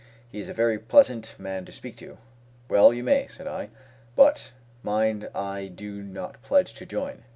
He is a very pleasant man to speak to." "Well you may," said I; "but mind I do not pledge to join."